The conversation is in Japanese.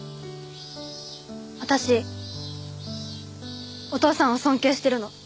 私お父さんを尊敬してるの。